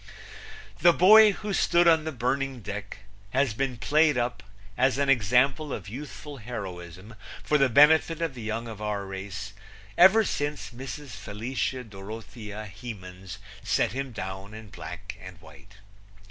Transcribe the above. The boy who stood on the burning deck has been played up as an example of youthful heroism for the benefit of the young of our race ever since Mrs. Felicia Dorothea Hemans set him down in black and white.